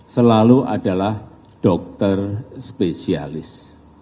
selalu adalah dokter spesialis